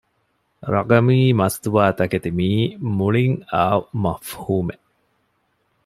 ރަޤަމީ މަސްތުވާ ތަކެތި މިއީ މުޅިން އައު މަފްހޫމެއް